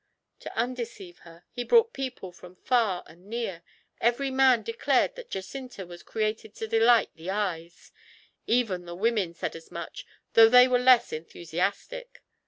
To undeceive her, he brought people from far and near; every man declared that Jacinta was created to delight the eyes; even the women said as much, though they were less enthusiastic.